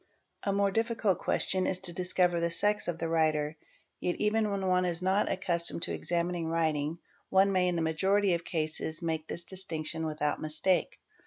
z A more difficult question is to discover the sex of the writer; yet. even when one is not accustomed to examining writing one may in the majority of cases make this distinction without mistake.